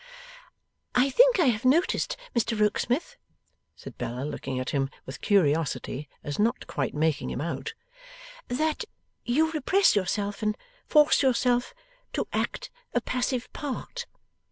'I think I have noticed, Mr Rokesmith,' said Bella, looking at him with curiosity, as not quite making him out, 'that you repress yourself, and force yourself, to act a passive part.